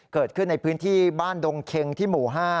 เกิดขึ้นในพื้นที่บ้านดงเค็งที่หมู่๕